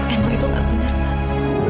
emang itu gak benar pak